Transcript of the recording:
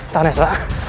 tahan ya sa